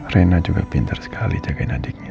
rena juga pintar sekali jagain adiknya